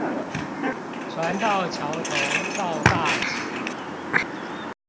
船過橋頭到大直